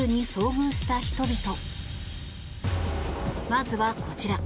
まずは、こちら。